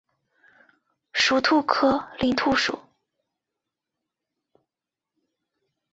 属兔科林兔属。